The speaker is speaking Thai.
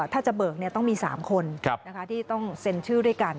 ถ้าจะเบิกต้องมี๓คนที่ต้องเซ็นชื่อด้วยกัน